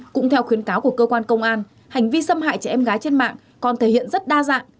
cũng theo khuyến cáo của cơ quan công an hành vi xâm hại trẻ em gái trên mạng còn thể hiện rất đa dạng